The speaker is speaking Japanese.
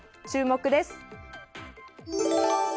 注目です。